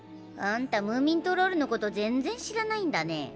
あんたムーミントロールのこと全然知らないんだね。